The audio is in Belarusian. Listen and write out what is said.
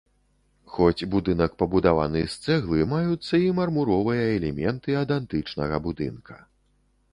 Хоць будынак пабудаваны з цэглы, маюцца і мармуровыя элементы ад антычнага будынка.